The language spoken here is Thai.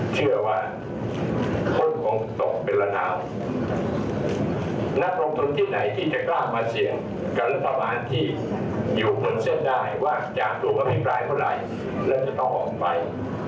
เชื่อว่าคนคงตกเป็นระดับนักลงทุนที่ไหนที่จะกล้ามาเสี่ยงกับรัฐบาลที่อยู่บนเส้นได้ว่าจากตัวอภิปรายเมื่อไหร่และจะต้องออกไป